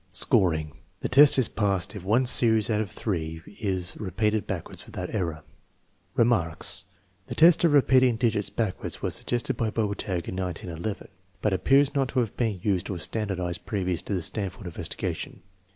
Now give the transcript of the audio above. Scoring. The test is passed if one series out of three is repeated backwards without error. Remarks. The test of repeating digits backwards was suggested by Bobertag in 1911, but appears not to have been used or standardized previous to the Stanford inves tigation.